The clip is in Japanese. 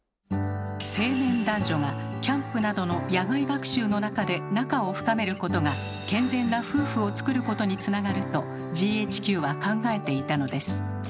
青年男女がキャンプなどの野外学習の中で仲を深めることが健全な夫婦をつくることにつながるとＧＨＱは考えていたのです。